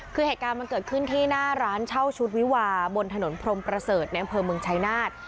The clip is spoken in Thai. คือเหตุการณ์มันเกิดขึ้นที่หน้าร้านเช่าชุดวิวาบนถนนพรมประเสริฐในอำเภอเมืองชายนาฏ